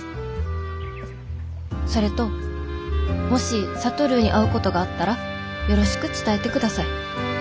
それともし智に会うことがあったらよろしく伝えてください」。